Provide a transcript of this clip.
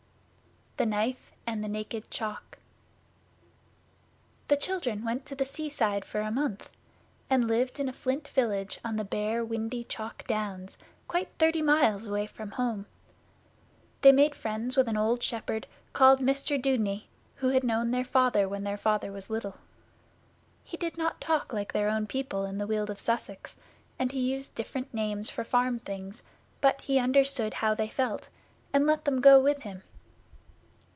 The Knife and the Naked Chalk The children went to the seaside for a month, and lived in a flint village on the bare windy chalk Downs, quite thirty miles away from home. They made friends with an old shepherd, called Mr Dudeney, who had known their Father when their Father was little. He did not talk like their own people in the Weald of Sussex, and he used different names for farm things, but he understood how they felt, and let them go with him.